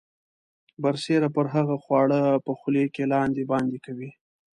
برسیره پر هغه خواړه په خولې کې لاندې باندې کوي.